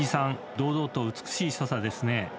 堂々と美しい所作ですね。